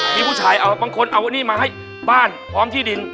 มีผู้ชายเอาบางคนเอานี่มาให้บ้านพร้อมที่ดิน